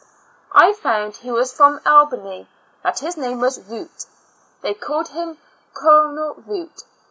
I found he was from Albany; that his name was Root; they called him Colonel Root.